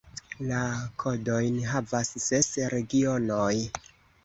La kodojn havas ses regionoj.